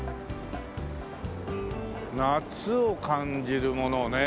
夏を感じる物ね。